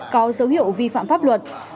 có dấu hiệu vi phạm pháp luật